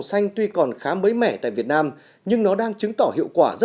xin chào và hẹn gặp lại